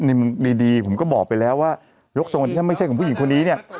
ดีผมก็บอกไปแล้วว่ายกทรงถ้าไม่ใช่ของผู้หญิงคนนี้เนี่ย